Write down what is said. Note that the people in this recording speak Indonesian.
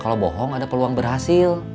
kalau bohong ada peluang berhasil